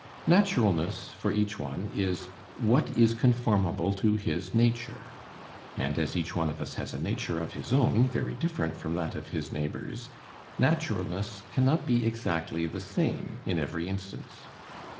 Naturalness for each one is what is conformable to his nature; and as each one of us has a nature of his own very different from that of his neighbors, naturalness cannot be exactly the same in every instance.